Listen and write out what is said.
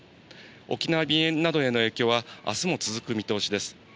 沖縄便などへの影響は、あすも続く見通しです。